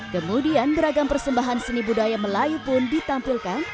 kemudian beragam persembahan seni budaya melayu pun ditampilkan